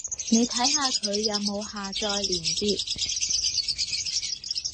你睇下佢有冇下載連接